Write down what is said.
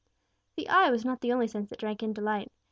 The eye was not the only sense that drank in delight.